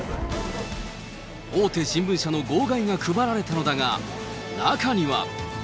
大手新聞社の号外が配られたのだが、中には。